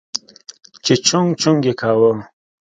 چې چونگ چونگ يې کاوه.